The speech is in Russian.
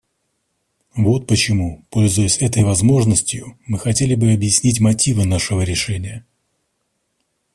Вот почему, пользуясь этой возможностью, мы хотели бы объяснить мотивы нашего решения.